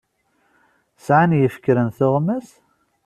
Sɛan yifekren tuɣmas?